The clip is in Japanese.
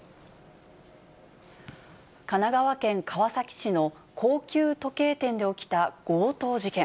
神奈川県川崎市の高級時計店で起きた強盗事件。